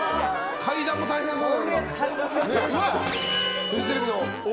階段も大変そうだ。